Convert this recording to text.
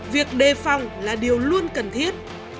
việc đề phòng là điều luôn cần thiết